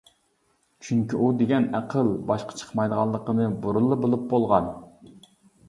چۈنكى ئۇ دېگەن ئەقىل، باشقا چىقمايدىغانلىقىنى بۇرۇنلا بىلىپ بولغان.